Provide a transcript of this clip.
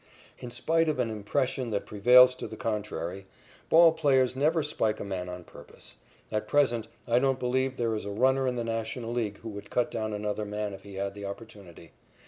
In spite of an impression that prevails to the contrary, ball players never spike a man on purpose. At present, I don't believe there is a runner in the National League who would cut down another man if he had the opportunity.